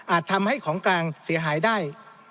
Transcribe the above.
ทำให้ของกลางเสียหายได้